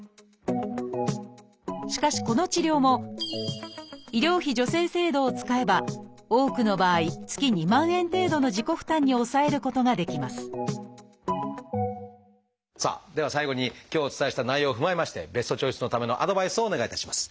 しかしこの治療も医療費助成制度を使えば多くの場合月２万円程度の自己負担に抑えることができますさあでは最後に今日お伝えした内容を踏まえましてベストチョイスのためのアドバイスをお願いいたします。